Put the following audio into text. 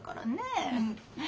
うん。